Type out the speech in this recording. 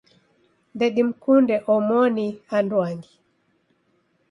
Ndedimkunde omoni anduangi.